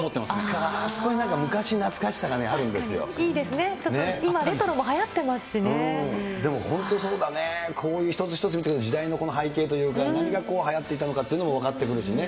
あそこになんか昔懐かしさがいいですね、今、レトロもはでも本当にそうだね、こういう一つ一つ見ていくと、時代の背景というか、何がこうはやっていたのかっていうのも分かってくるしね。